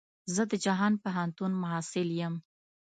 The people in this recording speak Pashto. زه د جهان پوهنتون محصل يم.